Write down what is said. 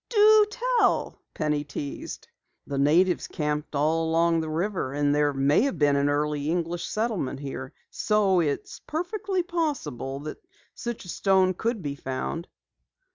"Do tell!" Penny teased. "The natives camped all along the river, and there may have been an early English settlement here. So it's perfectly possible that such a stone could be found."